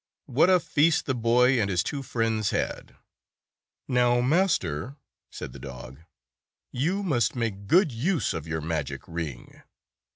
What a feast the boy and his two friends had ! "Now, master," said the dog, "you must make good use of your magic ring.